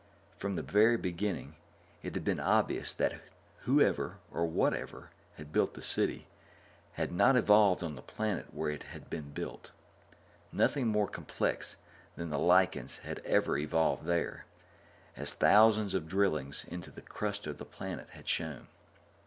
From the very beginning, it had been obvious that whoever or whatever had built that city had not evolved on the planet where it had been built. Nothing more complex than the lichens had ever evolved there, as thousands of drillings into the crust of the planet had shown.